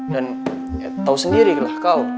dan tau sendiri lah kau